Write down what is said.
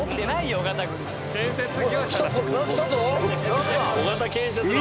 「尾形建設」の。